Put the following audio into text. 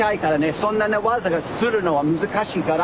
そんなに技をするのは難しいから。